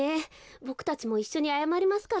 ボクたちもいっしょにあやまりますから。